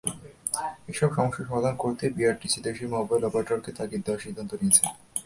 এসব সমস্যার সমাধান করতেই বিটিআরসি দেশের মোবাইল অপারেটরকে তাগিদ দেওয়ার সিদ্ধান্ত নিয়েছে।